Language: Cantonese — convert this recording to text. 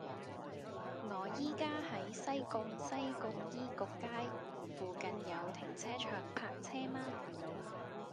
我依家喺西貢西貢醫局街，附近有停車場泊車嗎